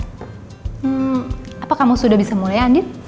hmm apa kamu sudah bisa mulai andin